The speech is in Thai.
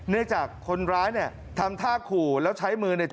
จากคนร้ายเนี่ยทำท่าขู่แล้วใช้มือเนี่ย